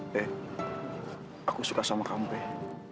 peh aku suka sama kamu peh